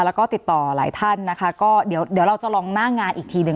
แล้วก็ติดต่อหลายท่านนะคะก็เดี๋ยวเดี๋ยวเราจะลองหน้างานอีกทีหนึ่ง